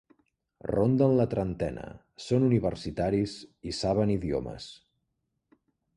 Ronden la trentena, són universitaris i saben idiomes.